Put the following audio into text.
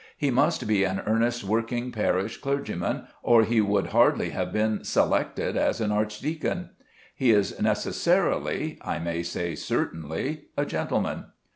He must be an earnest working parish clergyman, or he would hardly have been selected as an archdeacon. He is necessarily I may say certainly a gentleman.